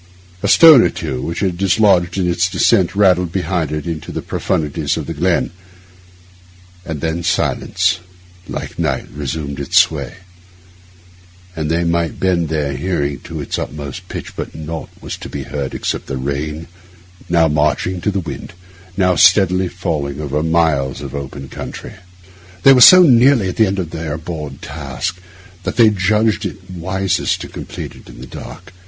A stone or two, which it had dislodged in its descent, rattled behind it into the profundities of the glen; and then silence, like night, resumed its sway; and they might bend their hearing to its utmost pitch, but naught was to be heard except the rain, now marching to the wind, now steadily falling over miles of open country. They were so nearly at an end of their abhorred task that they judged it wisest to complete it in the dark.